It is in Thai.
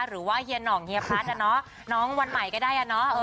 หรือว่าเฮียหนองเฮียพัทน้องวันใหม่ก็ได้นะ